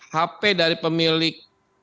hp dari pemilik